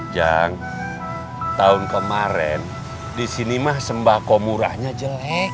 jang tahun kemaren di sini mah sembako murahnya jelek